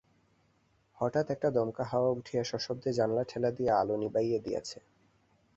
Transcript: হঠাৎ একটা দমকা হাওয়া উঠিয়া সশব্দে জানলায় ঠেলা দিয়া আলো নিবাইয়া দিয়াছে।